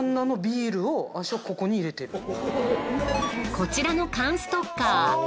こちらの缶ストッカー。